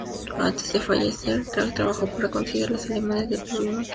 Antes de fallecer, Raab trabajó para concienciar a los alemanes del problema del sida.